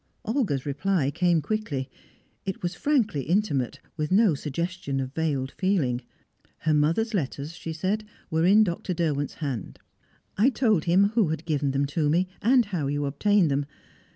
Olga's reply came quickly; it was frankly intimate, with no suggestion of veiled feeling. Her mother's letters, she said, were in Dr. Derwent's hands. "I told him who had given them to me, and how you obtained them.